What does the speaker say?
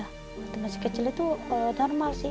waktu masih kecil itu normal sih